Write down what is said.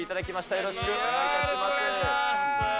よろしくお願いします。